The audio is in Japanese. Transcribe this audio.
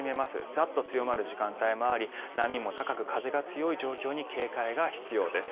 ザッと強まる時間帯もあり波も高く、風が強い状況に警戒が必要です。